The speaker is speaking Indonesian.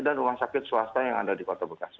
dan rumah sakit swasta yang ada di kota bekasi